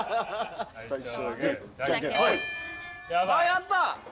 やった！